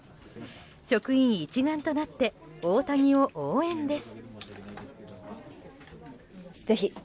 職員一丸となって大谷を応援です。